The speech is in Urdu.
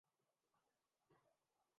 کانگو